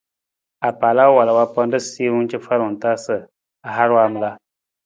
Apaala wala wa panda siiwung cafalung ta sa a har waamala.